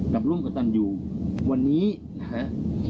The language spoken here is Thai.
กับร่วมกับตอนอยู่วันนี้นะครับ